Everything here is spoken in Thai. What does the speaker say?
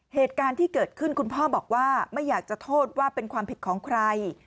เหตุการณ์ที่เกิดขึ้นคุณพ่อบอกว่าไม่อยากจะโทษว่าเป็นความผิดของใคร